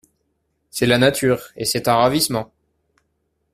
C'est la nature, et c'est un ravissement.